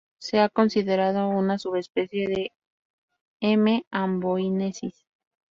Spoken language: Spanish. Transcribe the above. Se ha considerado una subespecie de "M.amboinensis".